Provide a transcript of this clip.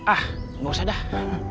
ah berosa dah